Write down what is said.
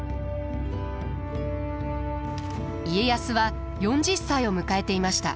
家康は４０歳を迎えていました。